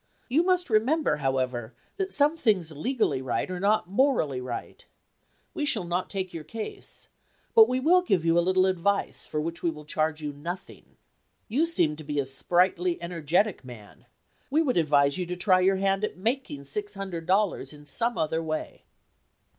You must remember, however, that some things legally right are not morally right. We shall not take your case, but we will give you a little advice for which we will charge you 239 LINCOLN THE LAWYER nothingo You seem to be a sprightly, energetic man. We would advise you to try your hand at making six hundred dollars in some other way."